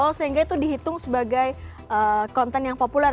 karena itu dihitung sebagai konten yang populer